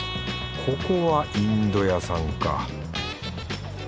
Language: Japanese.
ここはインド屋さんか。